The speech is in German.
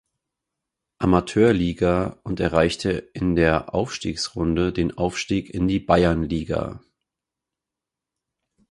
Amateurliga und erreichte in der Aufstiegsrunde den Aufstieg in die Bayernliga.